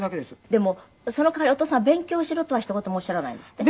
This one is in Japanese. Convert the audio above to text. でもその代わりお父様は勉強しろとはひと言もおっしゃらないんですって？